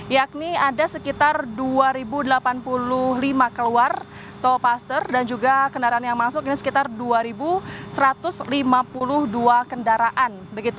yakni ada sekitar dua delapan puluh lima keluar tol paster dan juga kendaraan yang masuk ini sekitar dua satu ratus lima puluh dua kendaraan